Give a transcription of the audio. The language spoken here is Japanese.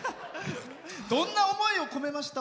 どんな思いをこめましたか？